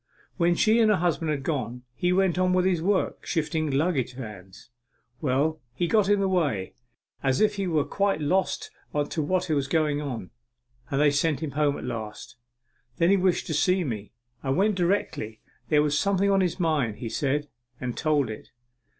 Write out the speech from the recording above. When she and her husband had gone, he went on with his work, shifting luggage vans. Well, he got in the way, as if he were quite lost to what was going on, and they sent him home at last. Then he wished to see me. I went directly. There was something on his mind, he said, and told it.